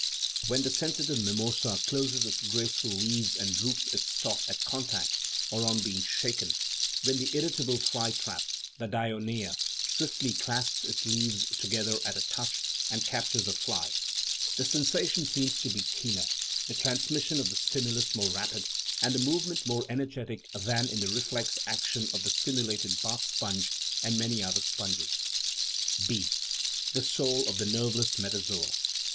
When the sensitive mimosa closes its graceful leaves and droops its stalk at contact, or on being shaken ; when the irritable fly trap (the diona3a) swiftly clasps its leaves together at a touch, and capt ures a fly ; the sensation seems to be keener, the trans mission of the stimulus more rapid, and the movement more energetic than in the reflex action of the stimu lated bath sponge and many other sponges. B. The soul of the nerveless metazoa.